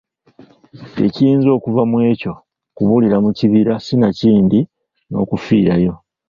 Ekiyinza okuva mu ekyo kubulira mu kibira sinakindi n’okufiirayo.